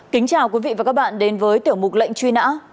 kính chào quý vị và các bạn đến với tiểu mục lệnh truy nã